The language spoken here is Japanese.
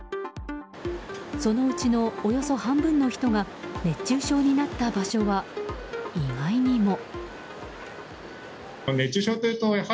そのうちのおよそ半分の人が熱中症になった場所は意外にも。